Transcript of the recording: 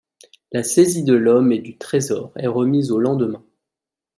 La saisie de l'homme et du trésor est remise au lendemain.